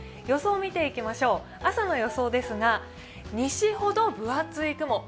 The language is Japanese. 予想を見ていきましょう、朝の予想ですが西ほど分厚い雲